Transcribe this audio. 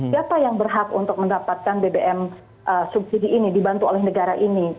siapa yang berhak untuk mendapatkan bbm subsidi ini dibantu oleh negara ini